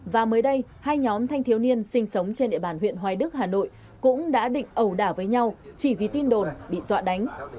và mới đây hai nhóm thanh thiếu niên sinh sống trên địa bàn huyện hoài đức hà nội cũng đã định ẩu đả với nhau chỉ vì tin đồn bị dọa đánh